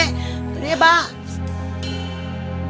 udah deh mbak